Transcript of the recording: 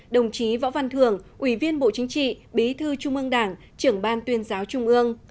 đồng chí võ văn thường ủy viên bộ chính trị bí thư trung ương đảng trưởng ban tuyên giáo trung ương